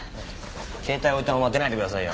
携帯置いたまま出ないでくださいよ。